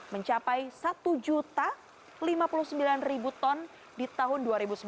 mencapai satu lima puluh sembilan ton di tahun dua ribu sembilan belas